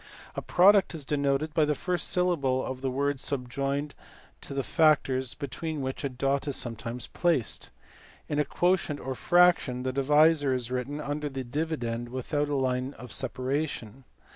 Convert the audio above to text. A product is denoted by the first syllable of the word subjoined to the factors, between which a dot is sometimes placed. In a quotient or fraction the divisor is written under the dividend without a line of separation.